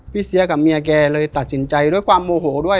เสียกับเมียแกเลยตัดสินใจด้วยความโมโหด้วย